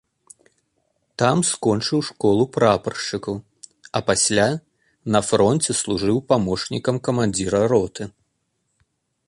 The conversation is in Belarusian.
Там скончыў школу прапаршчыкаў, а пасля, на фронце служыў памочнікам камандзіра роты.